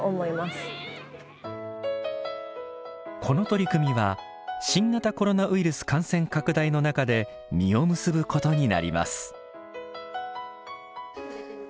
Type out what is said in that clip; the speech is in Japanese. この取り組みは新型コロナウイルス感染拡大の中で実を結ぶことになります。